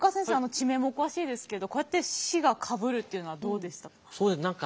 地名もお詳しいですけどこうやって市がかぶるっていうのはどうでしたか？